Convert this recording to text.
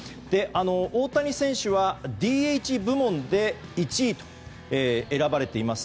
大谷選手はＤＨ部門で１位で選ばれています。